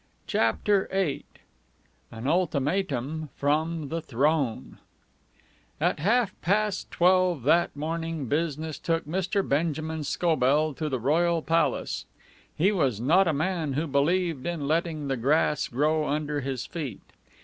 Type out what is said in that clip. CHAPTER VIII AN ULTIMATUM FROM THE THRONE At half past twelve that morning business took Mr. Benjamin Scobell to the royal Palace. He was not a man who believed in letting the grass grow under his feet.